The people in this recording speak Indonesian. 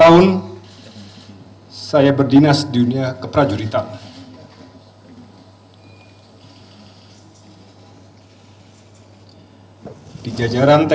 namun saya mengatakan bahwa saya siap untuk melakukan pengabdian yang melanggar